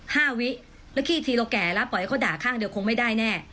วิแล้วขี้ทีเราแก่แล้วปล่อยให้เขาด่าข้างเดียวคงไม่ได้แน่